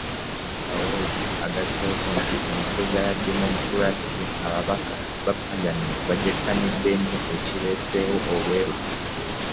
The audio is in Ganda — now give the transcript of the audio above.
Kaweesa agasseeko nti enfuga ya demokulaasiya, ababaka ba Palamenti bagyettanidde nnyo ekireeseewo obwerufu.